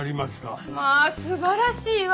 まあ素晴らしいわ！